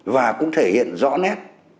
và cũng thể hiện rõ nét